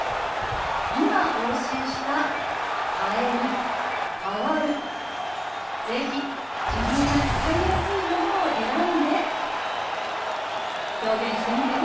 今お教えした「変える」「変わる」是非自分が使いやすいものを選んで表現してみてね。